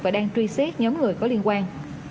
và đang truy xét nhóm người có liên quan